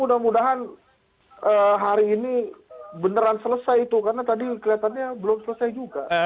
mudah mudahan hari ini beneran selesai itu karena tadi kelihatannya belum selesai juga